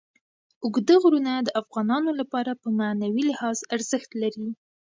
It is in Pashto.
اوږده غرونه د افغانانو لپاره په معنوي لحاظ ارزښت لري.